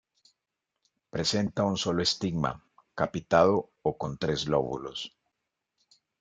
Presenta un solo estigma, capitado o con tres lóbulos.